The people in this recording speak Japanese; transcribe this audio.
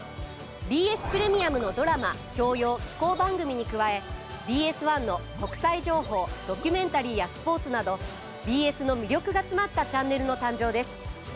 ＢＳプレミアムのドラマ教養紀行番組に加えＢＳ１の国際情報ドキュメンタリーやスポーツなどＢＳの魅力が詰まったチャンネルの誕生です。